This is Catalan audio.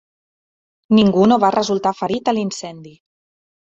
Ningú no va resultar ferit a l'incendi.